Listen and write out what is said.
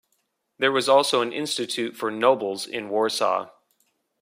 There was also an "Institute for Nobles" in Warsaw.